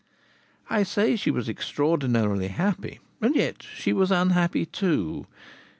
I say she was extraordinarily happy; and yet she was unhappy too.